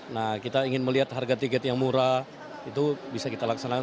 nah kita ingin melihat harga tiket yang murah itu bisa kita laksanakan